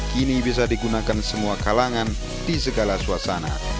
kini bisa digunakan semua kalangan di segala suasana